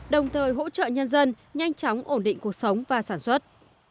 đồng thời hỗ trợ nhân dân nhanh chóng ổn định cuộc sống và sản xuất